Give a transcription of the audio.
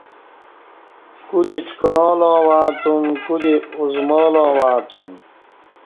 کودی ڄکعاں لاں وعݩہ تم کودی اُزمالاں وعݩہ تُم